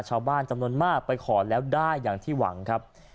ชาวบ้านจำนวนมากไปขอแล้วได้อย่างที่หวังครับ